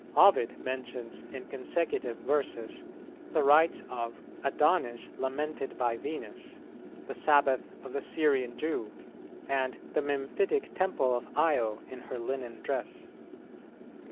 "[216:3] Ovid mentions in consecutive verses the rites of "Adonis lamented by Venus," "The Sabbath of the Syrian Jew," and the "Memphitic Temple of Io in her linen dress."